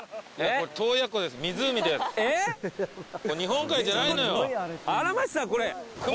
これ日本海じゃないのよ